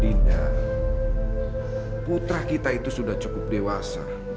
dinda putra kita sudah cukup dewasa